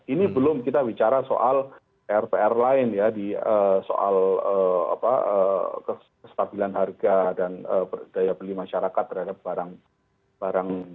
ini belum kita bicara soal rpr lain ya di soal kestabilan harga dan daya beli masyarakat terhadap barang barang